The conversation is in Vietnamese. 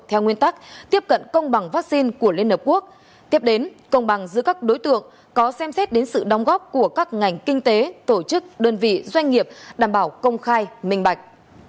theo nguyên tắc tiếp cận công bằng vaccine của liên hợp quốc tiếp đến công bằng giữa các đối tượng có xem xét đến sự đóng góp của các ngành kinh tế tổ chức đơn vị doanh nghiệp đảm bảo công khai minh bạch